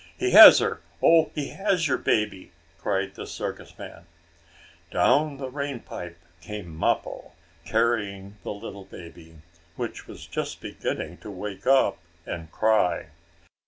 "He has her! Oh, he has your baby!" cried the circus man. Down the rain pipe came Mappo carrying the little baby, which was just beginning to wake up and cry.